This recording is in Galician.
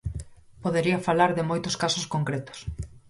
Podería falar de moitos casos concretos.